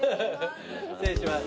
失礼します。